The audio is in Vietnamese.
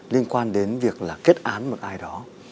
liên quan đến việc là kết án một ai đó